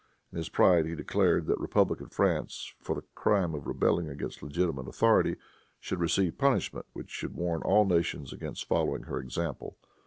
In his pride he declared that republican France, for the crime of rebelling against legitimate authority, should receive punishment which should warn all nations against following her example.